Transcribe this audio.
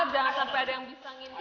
jangan sampai ada yang bisa nginting